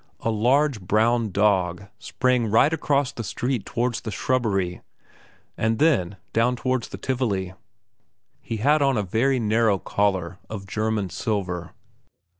A large, brown dog sprang right across the street towards the shrubbery, and then down towards the Tivoli; he had on a very narrow collar of German silver.